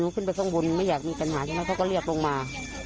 หนิวขึ้นไปข้างบนไม่อยากมีกันหาทีนี้เขาก็เรียกลงมา